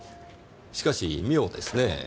しかし妙ですねぇ。